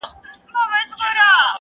نه مي ډلي دي لیدلي دي د کارګانو